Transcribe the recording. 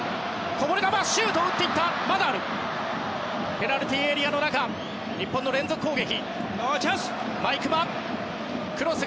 ペナルティーエリアの中日本の連続攻撃。